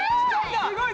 すごい！